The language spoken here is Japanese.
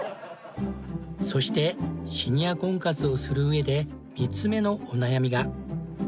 そしてシニア婚活をする上で３つ目のお悩みが。